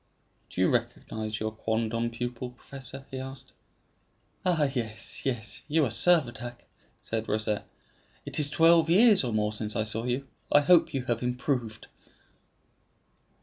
"Do you recognize your quondam pupil, professor?" he asked. "Ah, yes, yes; you are Servadac," replied Rosette. "It is twelve years or more since I saw you; I hope you have improved."